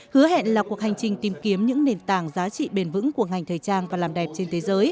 hứa hẹn là cuộc hành trình tìm kiếm những nền tảng giá trị bền vững của ngành thời trang và làm đẹp trên thế giới